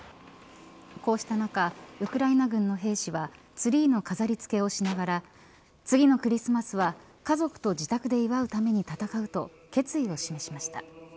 こうした中ウクライナ軍の兵士はツリーの飾り付けをしながら次のクリスマスは家族と自宅で祝うために戦うと決意を示しました。